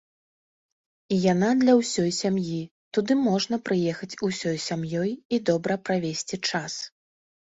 І яна для ўсёй сям'і, туды можна прыехаць ўсёй сям'ёй і добра правесці час.